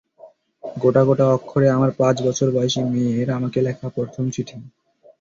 গোটা গোটা অক্ষরে আমার পাঁচ বছর বয়সী মেয়ের আমাকে লেখা প্রথম চিঠি।